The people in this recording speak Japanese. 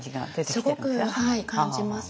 すごく感じます。